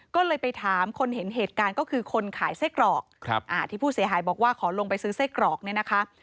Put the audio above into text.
ก็เลยไปถามคนเห็นเหตุการณ์ก็คือคนขายไส้กรอกที่ผู้เสียหายบอกว่าขอลงไปซื้อไส้กรอกเนี่ยนะคะ